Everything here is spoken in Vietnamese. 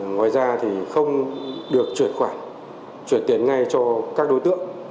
ngoài ra thì không được truyền khoản truyền tiền ngay cho các đối tượng